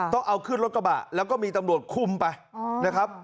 ต้องเอาขึ้นรถกระบะแล้วก็มีตำรวจคุมไปนะครับ